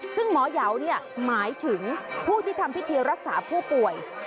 ซึ่งหมอยาวหมายถึงผู้ที่ทำพิธีรักษาผู้ป่วย